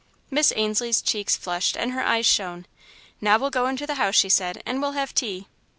Miss Ainslie's checks flushed and her eyes shone. "Now we'll go into the house," she said, "and we'll have tea."